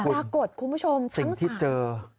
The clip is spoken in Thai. ปรากฏคุณผู้ชมทั้งสาม